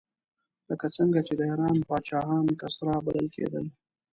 لکه څنګه چې د ایران پاچاهان کسرا بلل کېدل.